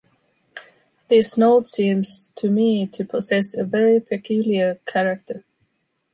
This note seems to me to possess a very peculiar character.